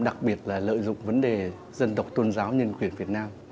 đặc biệt là lợi dụng vấn đề dân độc tôn giáo nhân quyền việt nam